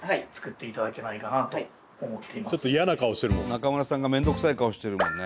中村さんが面倒くさい顔してるもんね。